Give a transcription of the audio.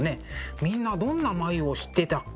みんなどんな眉をしてたっけな？